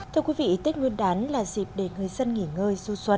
thưa quý vị tết nguyên đán là dịp để người dân nghỉ ngơi du xuân